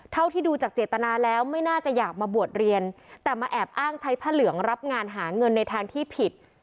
เท่าที่ดูจากเจตนาแล้วไม่น่าจะอยากมาบวชเรียนแต่มาแอบอ้างใช้ผ้าเหลืองรับงานหาเงินในทางที่ผิด